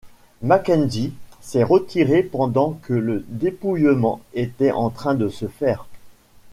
McKenzie s'est retiré pendant que le dépouillement était en train de se faire.